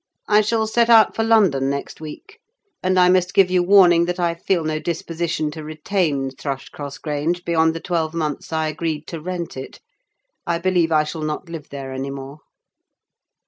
I shall set out for London next week; and I must give you warning that I feel no disposition to retain Thrushcross Grange beyond the twelve months I agreed to rent it. I believe I shall not live there any more."